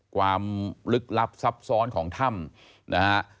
ความลึกลับซับซ้อนของถ้ำนะฮะ